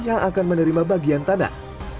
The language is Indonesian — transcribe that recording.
yang akan menerima bagian tanah